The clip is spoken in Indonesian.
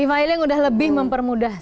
e filing udah lebih mempermudah